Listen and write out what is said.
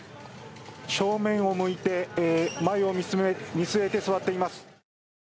正面を向いて前を見据えて座っています。